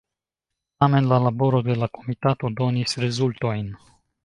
Tamen la laboro de la komitato donis rezultojn.